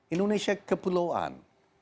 indonesia ke pulauan